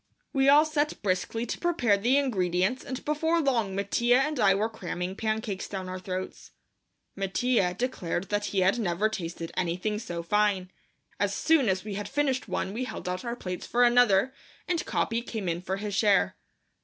We all set briskly to prepare the ingredients and before long Mattia and I were cramming pancakes down our throats. Mattia declared that he had never tasted anything so fine. As soon as we had finished one we held out our plates for another, and Capi came in for his share.